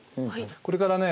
これからね